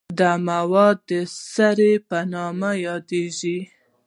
دا مواد د سرې په نوم یادیږي.